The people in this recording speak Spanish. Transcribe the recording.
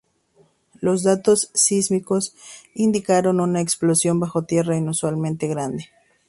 Los datos sísmicos indicaron una explosión bajo tierra inusualmente grande.